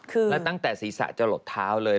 แล้วตั้งแต่ศรีษะจรดเท้าเลย